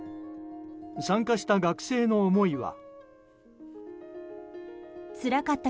参加した学生の思いは。